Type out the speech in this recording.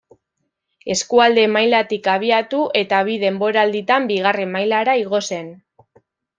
Eskualde mailatik abiatu eta bi denboralditan Bigarren Mailara igo zen.